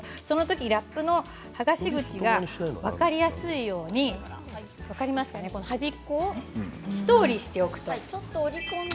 ラップの剥がし口が分かりやすいように端っこを、ひと折りしておく。